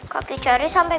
kaki cari sampai